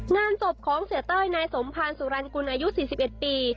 งานสบของเศรียเต้ยนายสมภัณฑ์สุรรันต์กลอายุ๔๑ปี